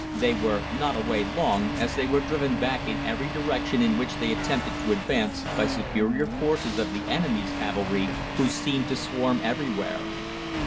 They were not away long, as they were driven back in every direction in which they attempted to advance, by superior forces of the enemy's cavalry, who seemed to swarm everywhere.